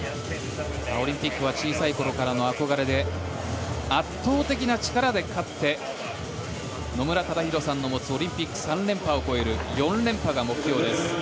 オリンピックは小さい頃からの憧れで圧倒的な力で勝って野村忠宏さんの持つオリンピック３連覇を超える４連覇が目標です。